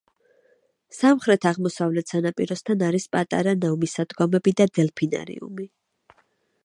სამხრეთ-აღმოსავლეთ სანაპიროსთან არის პატარა ნავმისადგომები და დელფინარიუმი.